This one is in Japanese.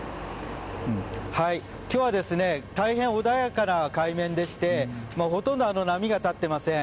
今日は大変穏やかな海面でしてほとんど波が立っていません。